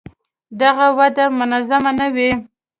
دغه وده منظمه نه وي.